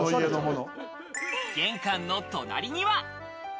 玄関の隣には。